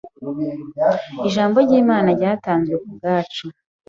Ijambo ry’Imana ryatanzwe ku bwacu.